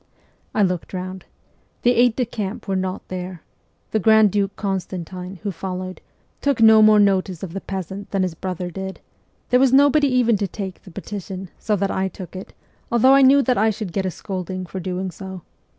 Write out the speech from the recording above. I looked round. The aides de camp were not there ; the grand duke Constantine, who followed, took no more notice of the peasant than his brother did ; there was nobody even to take the peti tion, so that I took it, although I knew that I should get a scolding for doing so.